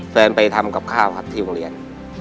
ไปทำกับข้าวครับที่โรงเรียน